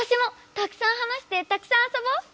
たくさん話してたくさんあそぼう！